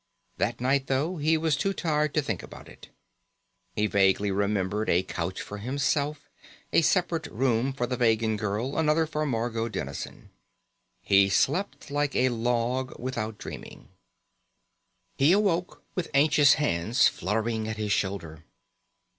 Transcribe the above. That night, though, he was too tired to think about it. He vaguely remembered a couch for himself, a separate room for the Vegan girl, another for Margot Dennison. He slept like a log without dreaming. He awoke with anxious hands fluttering at his shoulder.